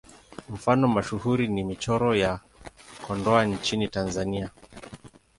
Mfano mashuhuri ni Michoro ya Kondoa nchini Tanzania.